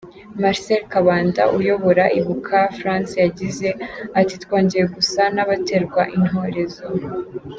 Marcel Kabanda, uyobora Ibuka-France yagize atii: "Twongeye gusa n’abaterwa intorezo.